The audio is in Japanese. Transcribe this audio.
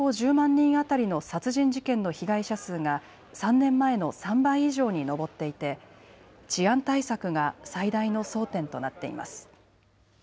人当たりの殺人事件の被害者数が３年前の３倍以上に上っていて治安対策が最大の争点となっています。